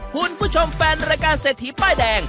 คุณผู้ชมแฟนรายการเศรษฐีป้ายแดง